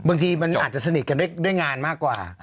บางทีมันอาจจะสนิทกันด้วยงานมากกว่า